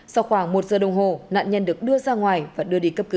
sau khoảng một giờ đồng hồ nạn nhân được đưa ra ngoài và đưa đi cấp cứu